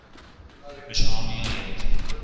به شما میآید.